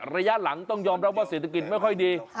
ระยะหลังต้องยอมรับว่าเศรษฐกิจไม่ค่อยดี